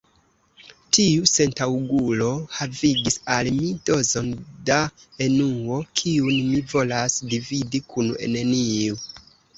Tiu sentaŭgulo havigis al mi dozon da enuo, kiun mi volas dividi kun neniu.